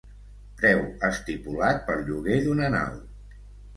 Preu estipulat pel lloguer d'una nau.